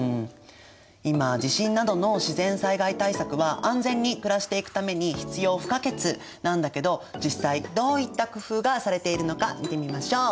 今地震などの自然災害対策は安全に暮らしていくために必要不可欠なんだけど実際どういった工夫がされているのか見てみましょう！